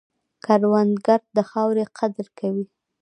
کروندګر د خاورې قدر کوي